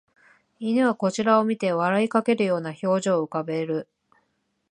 犬はこちらを見て笑いかけるような表情を浮かべる